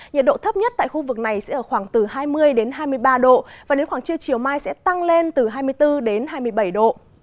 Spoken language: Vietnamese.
nhiệt độ thấp nhất tại khu vực này sẽ ở khoảng từ hai mươi hai mươi ba độ và đến khoảng trưa chiều mai sẽ tăng lên từ hai mươi bốn đến hai mươi bảy độ